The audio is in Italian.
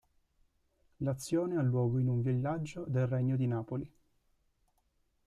L'azione ha luogo in un villaggio del Regno di Napoli.